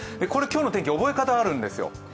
これ今日の天気、覚え方があるんですよ